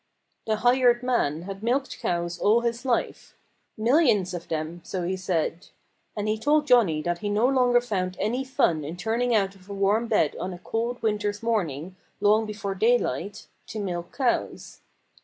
The hired man had milked cows all his life millions of them, so he said! And he told Johnnie that he no longer found any fun in turning out of a warm bed on a cold winter's morning long before daylight, to milk cows.